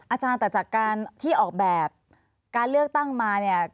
อาจารย์แต่จากการที่ออกแบบการเลือกตั้งมาเนี่ย